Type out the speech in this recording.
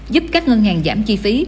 giúp các ngân hàng giảm chi phí